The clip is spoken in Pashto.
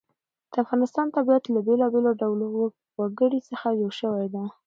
د افغانستان طبیعت له بېلابېلو ډولو وګړي څخه جوړ شوی دی.